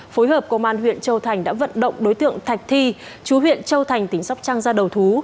phối hợp công an huyện châu thành đã vận động đối tượng thạch thi chú huyện châu thành tỉnh sóc trăng ra đầu thú